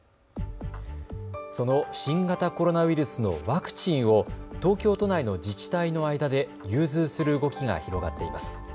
その新型コロナウイルスのワクチンを東京都内の自治体の間で融通する動きが広がっています。